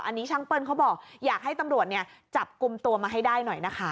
อันนี้ช่างเปิ้ลเขาบอกอยากให้ตำรวจเนี่ยจับกลุ่มตัวมาให้ได้หน่อยนะคะ